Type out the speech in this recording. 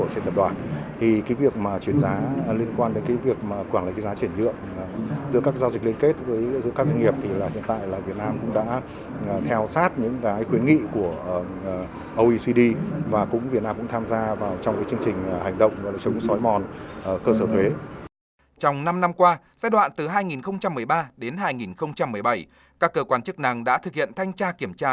trong năm qua giai đoạn từ hai nghìn một mươi ba đến hai nghìn một mươi bảy các cơ quan chức năng đã thực hiện thanh tra kiểm tra